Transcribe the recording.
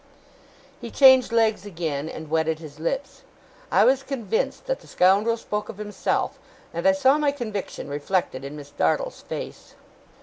He changed legs again, and wetted his lips. I was convinced that the scoundrel spoke of himself, and I saw my conviction reflected in Miss Dartle's face.